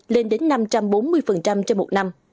lên đến năm trăm bốn mươi trong một năm